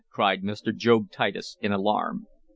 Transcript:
cried Mr. Job Titus, in alarm.